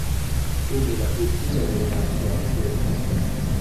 Come la cultura dell'acqua afferma.